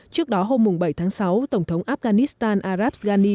trước đó hôm bảy tháng sáu tổng thống afghanistan arab ghani